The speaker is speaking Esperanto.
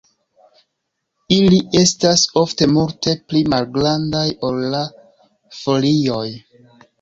Ili estas ofte multe pli malgrandaj ol la folioj.